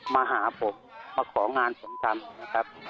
มาหาผมมาของานผมทำนะครับ